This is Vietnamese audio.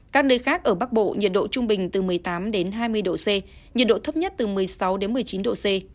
các nơi khác ở bắc bộ nhiệt độ trung bình từ một mươi tám đến hai mươi độ c nhiệt độ thấp nhất từ một mươi sáu đến một mươi chín độ c